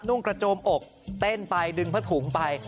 นุ่งกระโจมอกเต้นไปดึงผ้าถุงไป